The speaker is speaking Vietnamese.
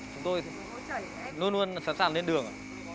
chúng tôi luôn luôn sẵn sàng lên đường